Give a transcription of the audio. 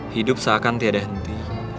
hidup seakan tiada henti